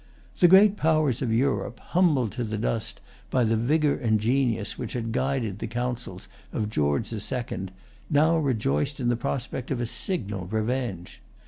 The great powers of Europe, humbled to the dust by the vigor and genius which had guided the councils of George the Second, now rejoiced in the prospect of a signal revenge.